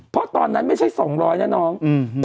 เพราะตอนนั้นไม่ใช่๒๐๐นะน้อง